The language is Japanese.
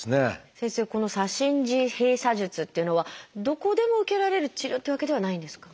先生この左心耳閉鎖術っていうのはどこでも受けられる治療っていうわけではないんですか？